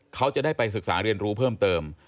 เขาจะได้ไปศึกษาเรียนรู้เพิ่มเติม